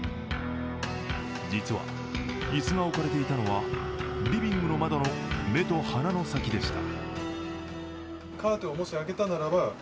実は椅子が置かれていたのはリビングの窓の目と鼻の先でした。